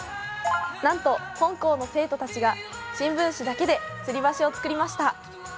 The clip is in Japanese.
なんと本校の生徒たちが新聞紙だけでつり橋を作りました。